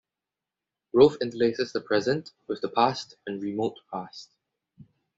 Roth interlaces the present with the past and remote past.